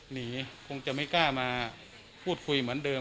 คงจะไม่กล้ามาพูดคุยเหมือนเดิม